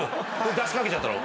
だしかけちゃったの！？